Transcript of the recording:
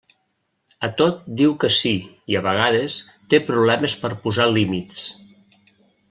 A tot diu que sí i a vegades té problemes per posar límits.